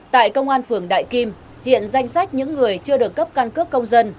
tại công an phường đại kim hiện danh sách những người chưa được cấp căn cước công dân